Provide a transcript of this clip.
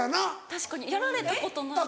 確かにやられたことないです。